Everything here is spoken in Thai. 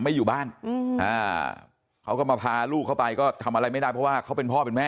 ไม่อยู่บ้านเขาก็มาพาลูกเข้าไปก็ทำอะไรไม่ได้เพราะว่าเขาเป็นพ่อเป็นแม่